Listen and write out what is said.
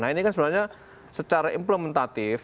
nah ini kan sebenarnya secara implementatif